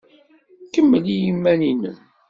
Kemmel i yiman-nnem.